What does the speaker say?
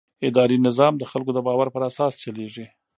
اداري نظام د خلکو د باور پر اساس چلېږي.